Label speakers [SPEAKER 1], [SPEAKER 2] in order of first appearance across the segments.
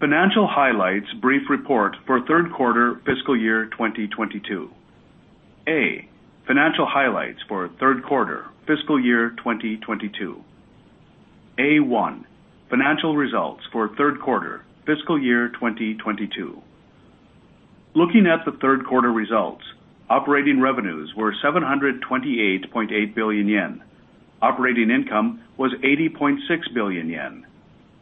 [SPEAKER 1] Financial Highlights Brief Report for Third Quarter Fiscal Year 2022. A: Financial Highlights for Third Quarter Fiscal Year 2022. A-1: Financial Results for Third Quarter Fiscal Year 2022. Looking at the third quarter results, Operating Revenues were 728.8 billion yen. Operating Income was 80.6 billion yen.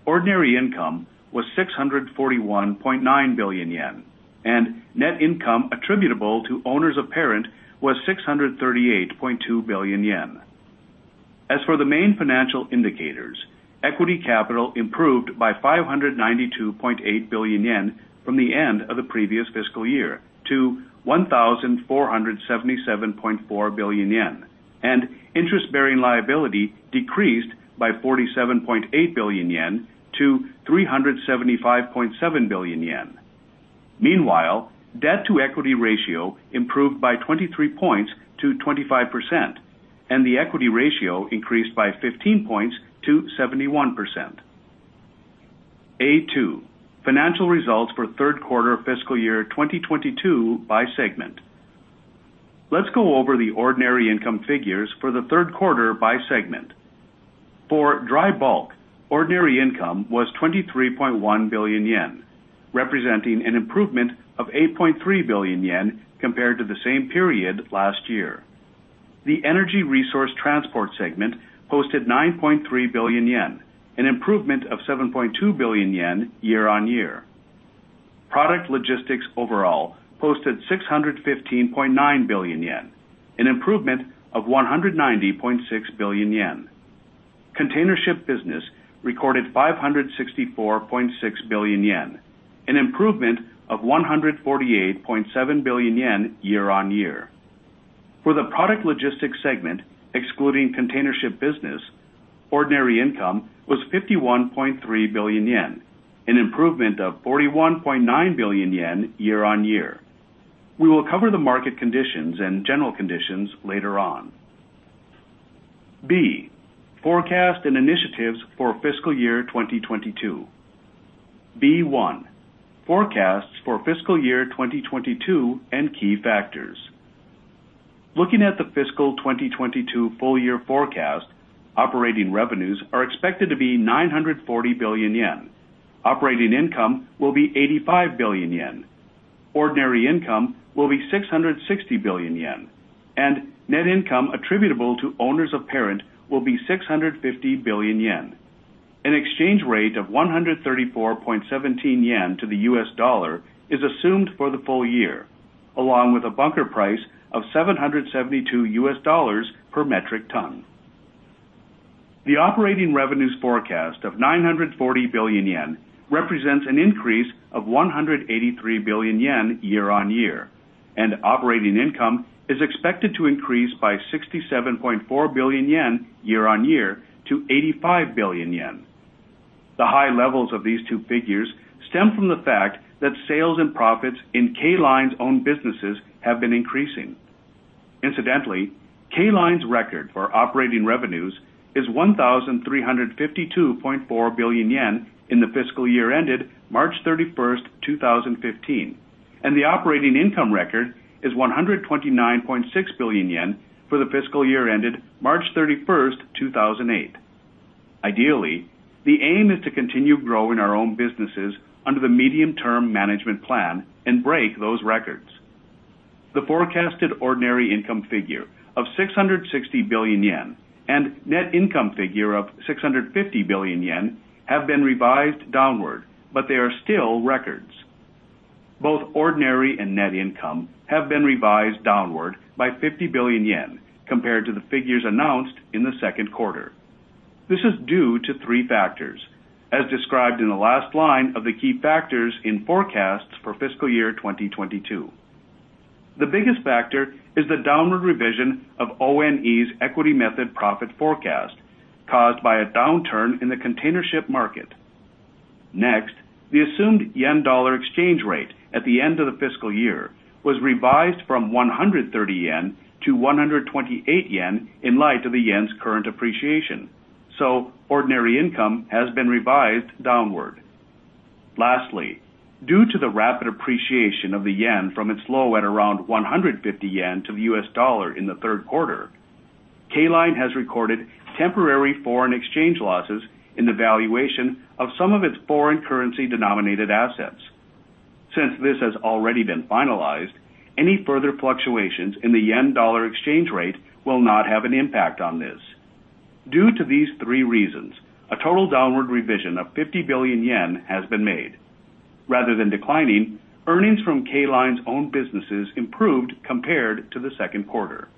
[SPEAKER 1] Ordinary Income was 641.9 billion yen, and Net Income Attributable to Owners of Parent was 638.2 billion yen. As for the main financial indicators, Equity Capital improved by 592.8 billion yen from the end of the previous fiscal year to 1,477.4 billion yen, and Interest-Bearing Liability decreased by 47.8 billion yen to 375.7 billion yen. Meanwhile, debt-to-equity ratio improved by 23 points to 25%. The equity ratio increased by 15 points to 71%. A-2: Financial Results for Third Quarter Fiscal Year 2022 by Segment. Let's go over the ordinary income figures for the third quarter by segment. For dry bulk, ordinary income was 23.1 billion yen, representing an improvement of 8.3 billion yen compared to the same period last year. The Energy Resource Transport segment posted 9.3 billion yen, an improvement of 7.2 billion yen year-on-year. Product logistics overall posted 615.9 billion yen, an improvement of 190.6 billion yen. Containership business recorded 564.6 billion yen, an improvement of 148.7 billion yen year-on-year. For the product logistics segment, excluding containership business, ordinary income was 51.3 billion yen, an improvement of 41.9 billion yen year-on-year. We will cover the market conditions and general conditions later on. B: Forecast and Initiatives for Fiscal Year 2022. B-1: Forecasts for Fiscal Year 2022 and Key Factors. Looking at the fiscal 2022 full year forecast, operating revenues are expected to be 940 billion yen. Operating income will be 85 billion yen. Ordinary income will be 660 billion yen, and net income attributable to owners of parent will be 650 billion yen. An exchange rate of 134.17 yen to the U.S. dollar is assumed for the full year, along with a bunker price of $772 per metric ton. The operating revenues forecast of 940 billion yen represents an increase of 183 billion yen year-on-year, and operating income is expected to increase by 67.4 billion yen year-on-year to 85 billion yen. The high levels of these two figures stem from the fact that sales and profits in "K" Line's own businesses have been increasing. "K" Line's record for operating revenues is 1,352.4 billion yen in the fiscal year ended 31 March 2015, and the operating income record is 129.6 billion yen for the fiscal year ended 31 March 2008. Ideally, the aim is to continue growing our own businesses under the medium-term management plan and break those records. The forecasted ordinary income figure of 660 billion yen and net income figure of 650 billion yen have been revised downward, but they are still records. Both ordinary and net income have been revised downward by 50 billion yen compared to the figures announced in the second quarter. This is due to three factors, as described in the last line of the key factors in forecasts for fiscal year 2022. The biggest factor is the downward revision of ONE's equity method profit forecast caused by a downturn in the containership market. Next, the assumed yen-dollar exchange rate at the end of the fiscal year was revised from 130 yen to 128 yen in light of the yen's current appreciation, so ordinary income has been revised downward. Due to the rapid appreciation of the yen from its low at around 150 yen to the U.S. dollar in the third quarter, "K" Line has recorded temporary foreign exchange losses in the valuation of some of its foreign currency denominated assets. Since this has already been finalized, any further fluctuations in the yen-dollar exchange rate will not have an impact on this. Due to these three reasons, a total downward revision of 50 billion yen has been made. Rather than declining, earnings from "K" Line's own businesses improved compared to the second quarter.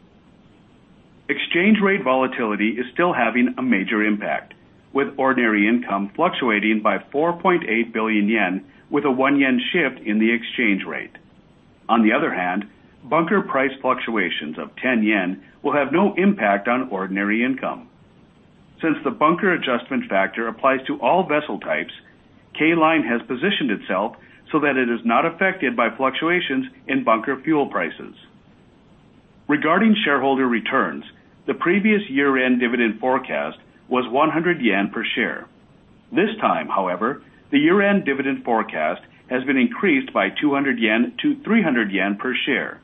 [SPEAKER 1] Exchange rate volatility is still having a major impact, with ordinary income fluctuating by 4.8 billion yen with a 1 yen shift in the exchange rate. Bunker price fluctuations of 10 yen will have no impact on ordinary income. Since the Bunker Adjustment Factor applies to all vessel types, "K" Line has positioned itself so that it is not affected by fluctuations in bunker fuel prices. Regarding shareholder returns, the previous year-end dividend forecast was 100 yen per share. This time, however, the year-end dividend forecast has been increased by 200 yen to 300 yen per share.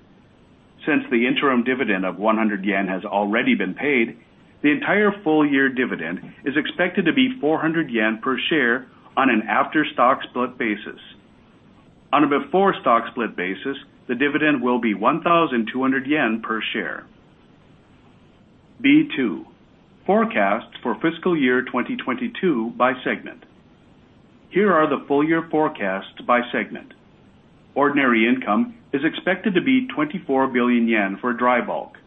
[SPEAKER 1] Since the interim dividend of 100 yen has already been paid, the entire full-year dividend is expected to be 400 yen per share on an after-stock split basis. On a before-stock split basis, the dividend will be 1,200 yen per share. B-2: Forecasts for Fiscal Year 2022 by Segment. Here are the full year forecasts by segment. Ordinary income is expected to be 24 billion yen for dry bulk,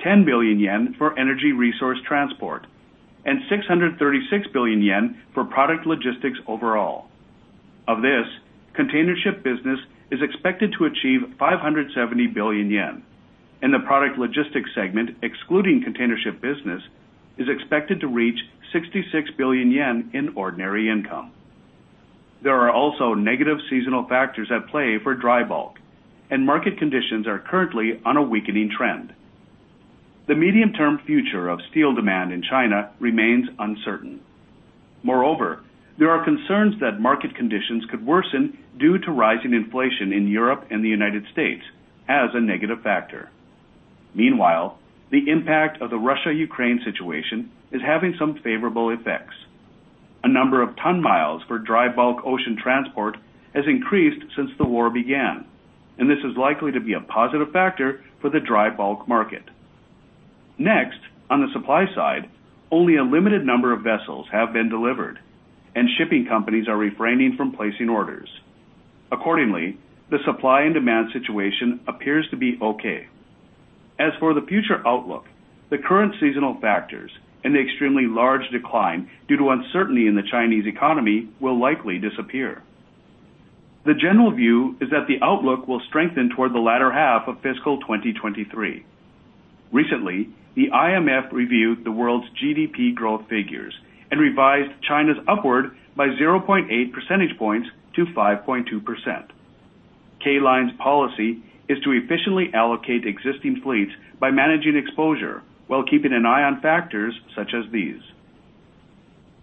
[SPEAKER 1] 10 billion yen for Energy Resource Transport, and 636 billion yen for product logistics overall. Of this, containership business is expected to achieve 570 billion yen, and the product logistics segment, excluding containership business, is expected to reach 66 billion yen in ordinary income. There are also negative seasonal factors at play for dry bulk, and market conditions are currently on a weakening trend. The medium-term future of steel demand in China remains uncertain. There are concerns that market conditions could worsen due to rising inflation in Europe and the United States as a negative factor. The impact of the Russia-Ukraine situation is having some favorable effects. A number of ton-miles for dry bulk ocean transport has increased since the war began. This is likely to be a positive factor for the dry bulk market. Next, on the supply side, only a limited number of vessels have been delivered. Shipping companies are refraining from placing orders. Accordingly, the supply and demand situation appears to be okay. As for the future outlook, the current seasonal factors and the extremely large decline due to uncertainty in the Chinese economy will likely disappear. The general view is that the outlook will strengthen toward the latter half of fiscal 2023. Recently, the IMF reviewed the world's GDP growth figures and revised China's upward by 0.8 percentage points to 5.2%. "K" Line's policy is to efficiently allocate existing fleets by managing exposure while keeping an eye on factors such as these.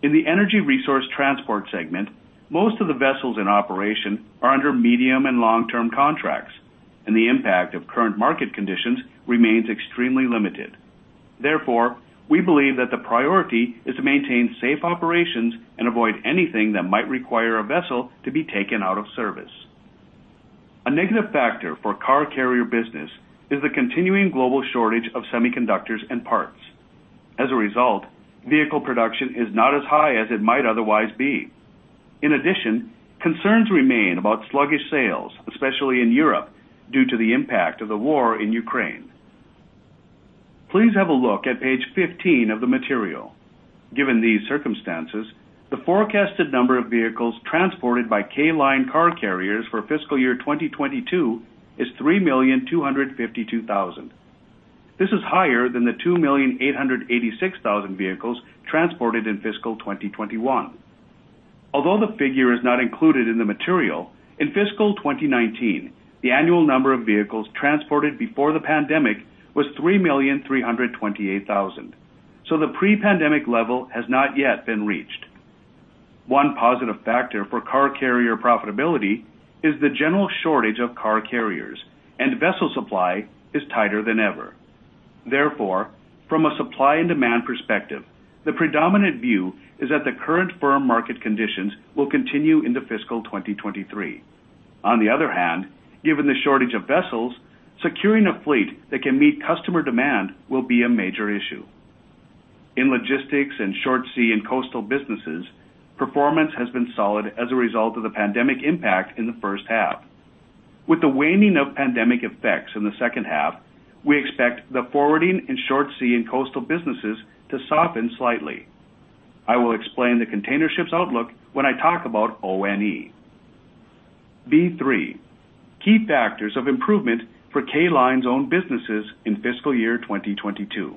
[SPEAKER 1] In the Energy Resource Transport segment, most of the vessels in operation are under medium and long-term contracts, and the impact of current market conditions remains extremely limited. Therefore, we believe that the priority is to maintain safe operations and avoid anything that might require a vessel to be taken out of service. A negative factor for car carrier business is the continuing global shortage of semiconductors and parts. As a result, vehicle production is not as high as it might otherwise be. In addition, concerns remain about sluggish sales, especially in Europe, due to the impact of the war in Ukraine. Please have a look at page 15 of the material. Given these circumstances, the forecasted number of vehicles transported by "K" Line car carriers for fiscal year 2022 is 3,252,000. This is higher than the 2,886,000 vehicles transported in fiscal 2021. The figure is not included in the material, in fiscal 2019, the annual number of vehicles transported before the pandemic was 3,328,000. The pre-pandemic level has not yet been reached. One positive factor for car carrier profitability is the general shortage of car carriers. Vessel supply is tighter than ever. From a supply and demand perspective, the predominant view is that the current firm market conditions will continue into fiscal 2023. Given the shortage of vessels, securing a fleet that can meet customer demand will be a major issue. In logistics and short sea and coastal businesses, performance has been solid as a result of the pandemic impact in the first half. With the waning of pandemic effects in the second half, we expect the forwarding in short sea and coastal businesses to soften slightly. I will explain the containership's outlook when I talk about ONE. B-3: Key Factors of Improvement for "K" Line's Own Businesses in Fiscal Year 2022.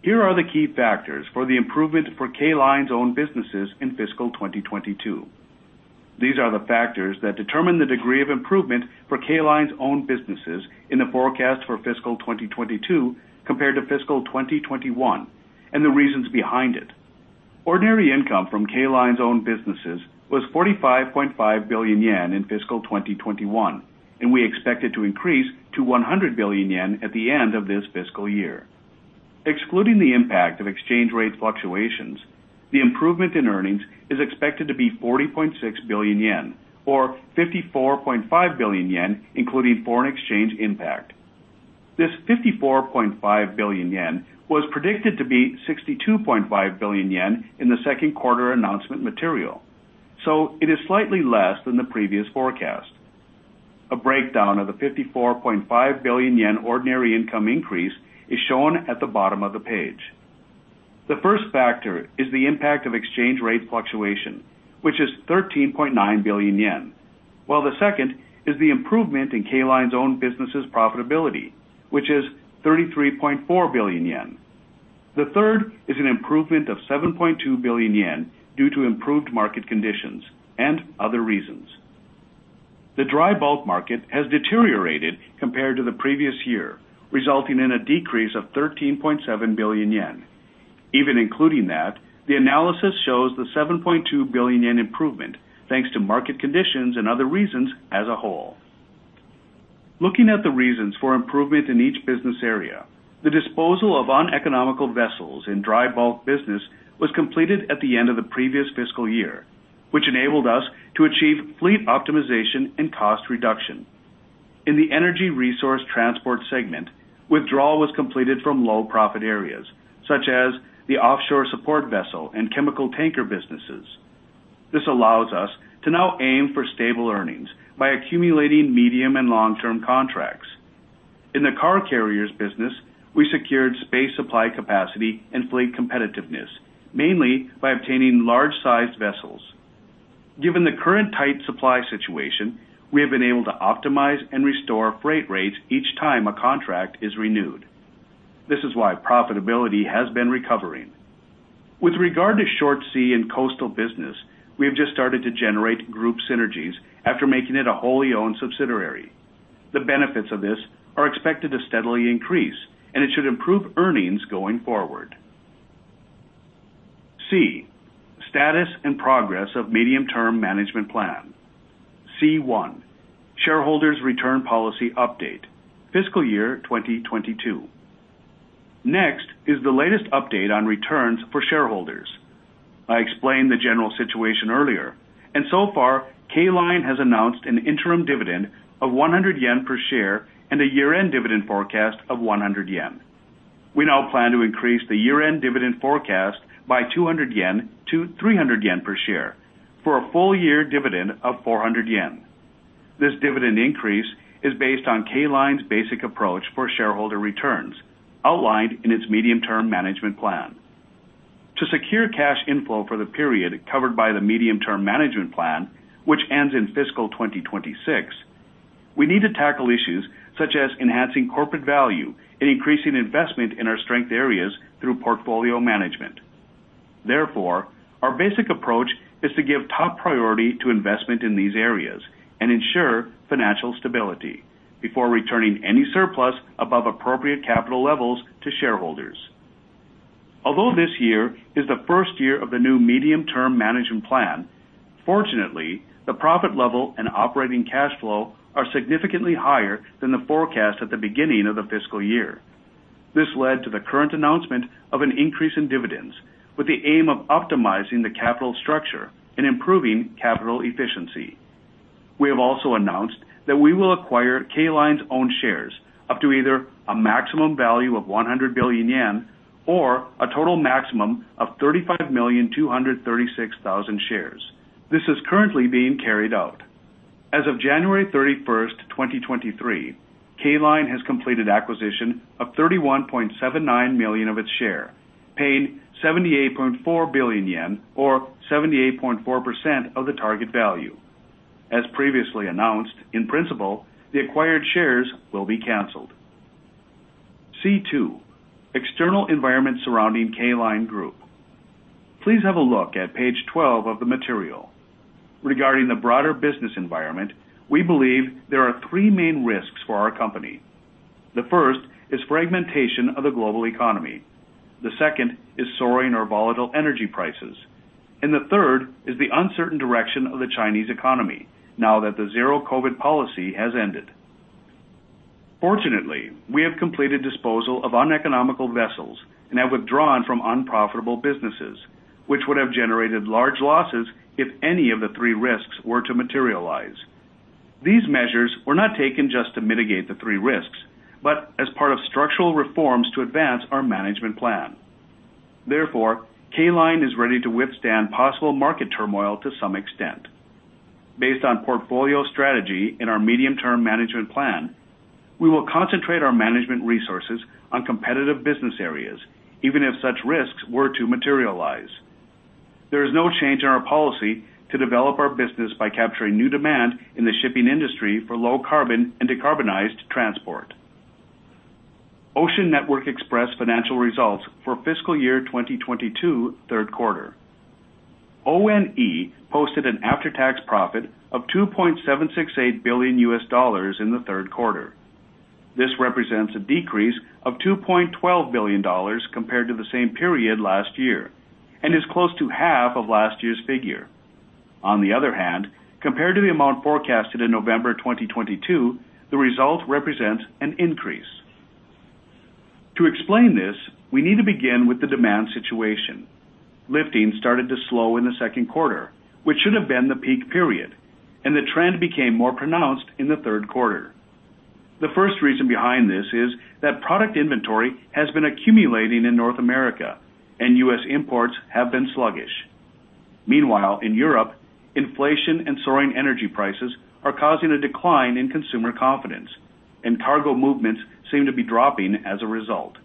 [SPEAKER 1] Here are the key factors for the improvement for "K" Line's own businesses in fiscal 2022. These are the factors that determine the degree of improvement for "K" Line's own businesses in the forecast for fiscal 2022 compared to fiscal 2021, and the reasons behind it. ordinary income from "K" Line's own businesses was 45.5 billion yen in fiscal 2021. We expect it to increase to 100 billion yen at the end of this fiscal year. Excluding the impact of exchange rate fluctuations, the improvement in earnings is expected to be 40.6 billion yen or 54.5 billion yen, including foreign exchange impact. This 54.5 billion yen was predicted to be 62.5 billion yen in the second quarter announcement material. It is slightly less than the previous forecast. A breakdown of the 54.5 billion yen ordinary income increase is shown at the bottom of the page. The first factor is the impact of exchange rate fluctuation, which is 13.9 billion yen, while the second is the improvement in "K" Line's own business' profitability, which is 33.4 billion yen. The third is an improvement of 7.2 billion yen due to improved market conditions and other reasons. The dry bulk market has deteriorated compared to the previous year, resulting in a decrease of 13.7 billion yen. Even including that, the analysis shows the 7.2 billion yen improvement, thanks to market conditions and other reasons as a whole. Looking at the reasons for improvement in each business area, the disposal of uneconomical vessels in dry bulk business was completed at the end of the previous fiscal year, which enabled us to achieve fleet optimization and cost reduction. In the Energy Resource Transport segment, withdrawal was completed from low profit areas such as the offshore support vessel and chemical tanker businesses. This allows us to now aim for stable earnings by accumulating medium and long-term contracts. In the car carriers business, we secured space supply capacity and fleet competitiveness, mainly by obtaining large-sized vessels. Given the current tight supply situation, we have been able to optimize and restore freight rates each time a contract is renewed. This is why profitability has been recovering. With regard to short sea and coastal business, we have just started to generate group synergies after making it a wholly owned subsidiary. The benefits of this are expected to steadily increase, and it should improve earnings going forward. C: Status and Progress of Medium-Term Management Plan. C-1: Shareholders Return Policy Update, Fiscal Year 2022. Next is the latest update on returns for shareholders. I explained the general situation earlier, and so far, "K" Line has announced an interim dividend of 100 yen per share and a year-end dividend forecast of 100 yen. We now plan to increase the year-end dividend forecast by 200 yen to 300 yen per share for a full year dividend of 400 yen. This dividend increase is based on "K" Line's basic approach for shareholder returns outlined in its medium-term management plan. To secure cash inflow for the period covered by the medium-term management plan, which ends in fiscal 2026, we need to tackle issues such as enhancing corporate value and increasing investment in our strength areas through portfolio management. Therefore, our basic approach is to give top priority to investment in these areas and ensure financial stability before returning any surplus above appropriate capital levels to shareholders. Although this year is the first year of the new medium-term management plan, fortunately, the profit level and operating cash flow are significantly higher than the forecast at the beginning of the fiscal year. This led to the current announcement of an increase in dividends, with the aim of optimizing the capital structure and improving capital efficiency. We have also announced that we will acquire "K" Line's own shares, up to either a maximum value of 100 billion yen or a total maximum of 35,236,000 shares. This is currently being carried out. As of January 31, 2023, "K" Line has completed acquisition of 31.79 million of its share, paying 78.4 billion yen or 78.4% of the target value. As previously announced, in principle, the acquired shares will be canceled. C-2: External Environment Surrounding "K" Line Group. Please have a look at page 12 of the material. Regarding the broader business environment, we believe there are three main risks for our company. The first is fragmentation of the global economy, the second is soaring or volatile energy prices, and the third is the uncertain direction of the Chinese economy now that the Zero-COVID policy has ended. Fortunately, we have completed disposal of uneconomical vessels and have withdrawn from unprofitable businesses, which would have generated large losses if any of the three risks were to materialize. These measures were not taken just to mitigate the three risks, but as part of structural reforms to advance our management plan. Therefore, "K" Line is ready to withstand possible market turmoil to some extent. Based on portfolio strategy in our medium-term management plan, we will concentrate our management resources on competitive business areas, even if such risks were to materialize. There is no change in our policy to develop our business by capturing new demand in the shipping industry for low carbon and decarbonized transport. Ocean Network Express Financial Results for Fiscal Year 2022, Third Quarter. ONE posted an after-tax profit of $2.768 billion in the third quarter. This represents a decrease of $2.12 billion compared to the same period last year and is close to half of last year's figure. Compared to the amount forecasted in November 2022, the result represents an increase. To explain this, we need to begin with the demand situation. Lifting started to slow in the second quarter, which should have been the peak period, and the trend became more pronounced in the third quarter. The first reason behind this is that product inventory has been accumulating in North America and U.S. imports have been sluggish. Meanwhile, in Europe, inflation and soaring energy prices are causing a decline in consumer confidence. Cargo movements seem to be dropping as a result.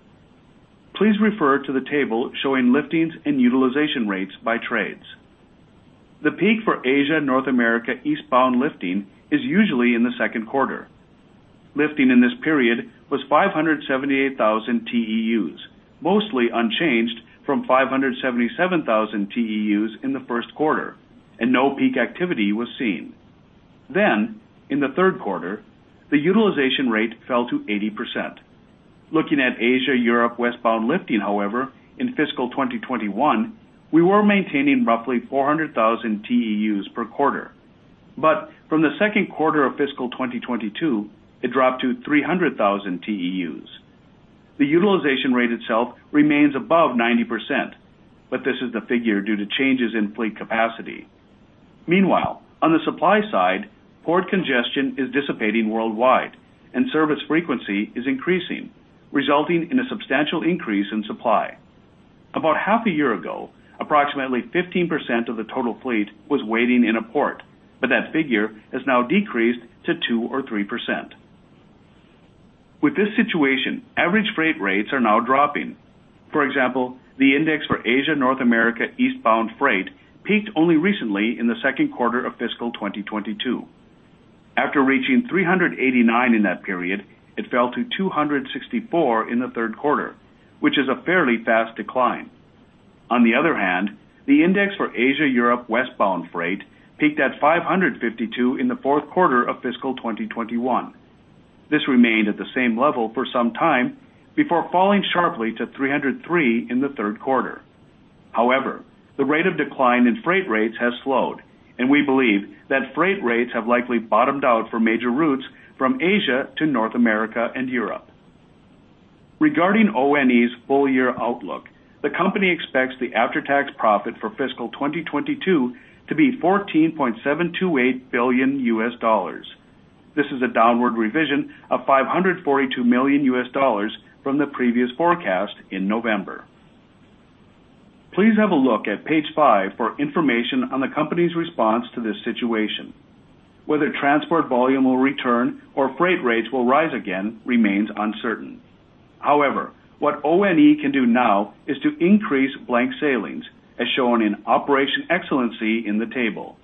[SPEAKER 1] Please refer to the table showing liftings and utilization rates by trades. The peak for Asia, North America, eastbound lifting is usually in the second quarter. Lifting in this period was 578,000 TEUs, mostly unchanged from 577,000 TEUs in the first quarter. No peak activity was seen. In the third quarter, the utilization rate fell to 80%. Looking at Asia, Europe, westbound lifting, however, in fiscal 2021, we were maintaining roughly 400,000 TEUs per quarter. From the second quarter of fiscal 2022, it dropped to 300,000 TEUs. The utilization rate itself remains above 90%. This is the figure due to changes in fleet capacity. Meanwhile, on the supply side, port congestion is dissipating worldwide and service frequency is increasing, resulting in a substantial increase in supply. About half a year ago, approximately 15% of the total fleet was waiting in a port, but that figure has now decreased to 2% or 3%. With this situation, average freight rates are now dropping. For example, the index for Asia, North America, eastbound freight peaked only recently in the second quarter of fiscal 2022. After reaching 389 in that period, it fell to 264 in the third quarter, which is a fairly fast decline. On the other hand, the index for Asia, Europe, westbound freight peaked at 552 in the fourth quarter of fiscal 2021. This remained at the same level for some time before falling sharply to 303 in the third quarter. The rate of decline in freight rates has slowed, and we believe that freight rates have likely bottomed out for major routes from Asia to North America and Europe. Regarding ONE's full year outlook, the company expects the after-tax profit for fiscal 2022 to be $14.728 billion. This is a downward revision of $542 million from the previous forecast in November. Please have a look at page five for information on the company's response to this situation. Whether transport volume will return or freight rates will rise again remains uncertain. What ONE can do now is to increase blank sailings, as shown in Operational Excellence in the table.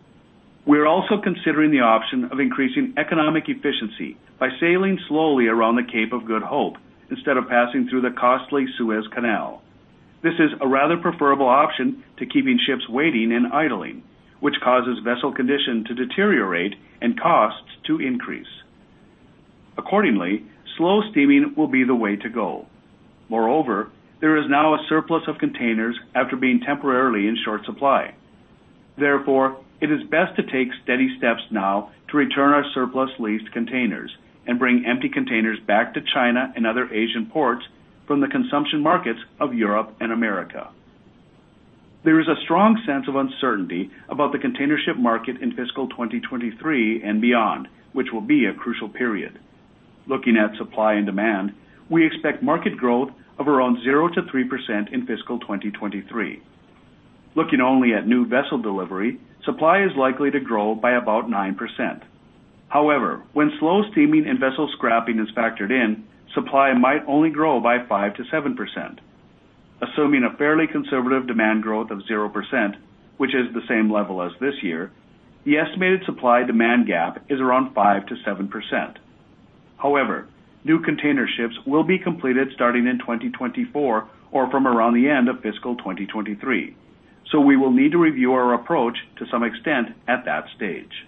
[SPEAKER 1] We are also considering the option of increasing economic efficiency by sailing slowly around the Cape of Good Hope instead of passing through the costly Suez Canal. This is a rather preferable option to keeping ships waiting and idling, which causes vessel condition to deteriorate and costs to increase. Accordingly, slow steaming will be the way to go. Moreover, there is now a surplus of containers after being temporarily in short supply. Therefore, it is best to take steady steps now to return our surplus leased containers and bring empty containers back to China and other Asian ports from the consumption markets of Europe and America. There is a strong sense of uncertainty about the container ship market in fiscal 2023 and beyond, which will be a crucial period. Looking at supply and demand, we expect market growth of around 0%-3% in fiscal 2023. Looking only at new vessel delivery, supply is likely to grow by about 9%. When slow steaming and vessel scrapping is factored in, supply might only grow by 5%-7%. Assuming a fairly conservative demand growth of 0%, which is the same level as this year, the estimated supply demand gap is around 5%-7%. New container ships will be completed starting in 2024 or from around the end of fiscal 2023. We will need to review our approach to some extent at that stage.